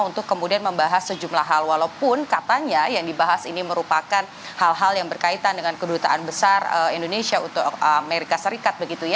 untuk kemudian membahas sejumlah hal walaupun katanya yang dibahas ini merupakan hal hal yang berkaitan dengan kedutaan besar indonesia untuk amerika serikat